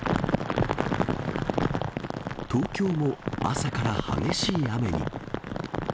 東京も朝から激しい雨に。